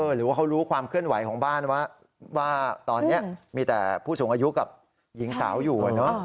หรือว่าเขารู้ความเคลื่อนไหวของบ้านว่าตอนนี้มีแต่ผู้สูงอายุกับหญิงสาวอยู่